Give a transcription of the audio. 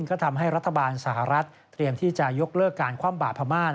ก็ทำให้รัฐบาลสหรัฐเตรียมที่จะยกเลิกการคว่ำบาดพม่า